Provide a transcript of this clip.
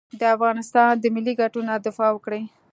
د افغانستان د ملي ګټو نه دفاع وکړي.